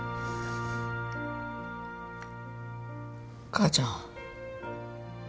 母ちゃん。